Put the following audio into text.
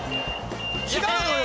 「違うのよ！